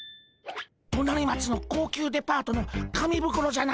隣町の高級デパートの紙袋じゃないでゴンスか？